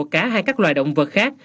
cả hai các loài động vật khác